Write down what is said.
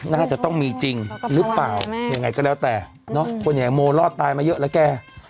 นะคะจะต้องมีจริงหรือเปล่า